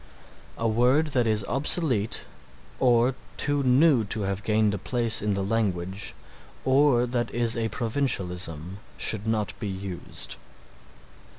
A word that is obsolete or too new to have gained a place in the language, or that is a provincialism, should not be used.